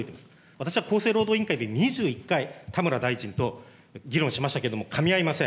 私は厚生労働委員会で２１回、田村大臣と議論しましたけれども、かみ合いません。